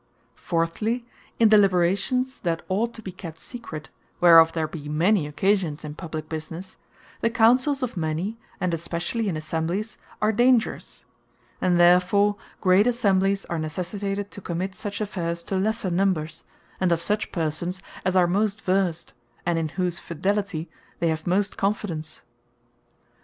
Fourthly, in Deliberations that ought to be kept secret, (whereof there be many occasions in Publique Businesse,) the Counsells of many, and especially in Assemblies, are dangerous; And therefore great Assemblies are necessitated to commit such affaires to lesser numbers, and of such persons as are most versed, and in whose fidelity they have most confidence.